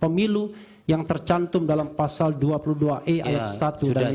pemilu yang tercantum dalam pasal dua puluh dua e ayat satu dan dua